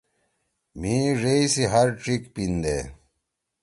مھی ڙیئی سی ہر ڇیِک پیِندے